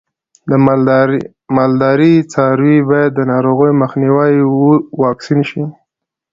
د مالدارۍ څاروی باید د ناروغیو مخنیوي واکسین شي.